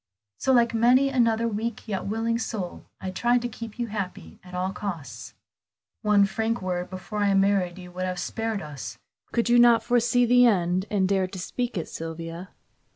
So like many another weak yet willing soul, I tried to keep you happy at all costs." "One frank word before I married you would have spared us this. Could you not foresee the end and dare to speak it, Sylvia?"